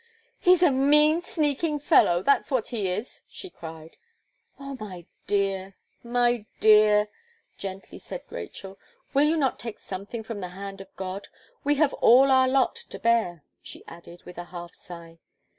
"He's a mean, sneaking fellow! that's what he is!" she cried. "Oh, my dear my dear!" gently said Rachel, "will you not take something from the hand of God! We have all our lot to bear," she added, with a half sigh.